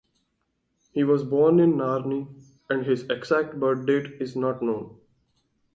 He was born in Narni and his exact birthdate is not known.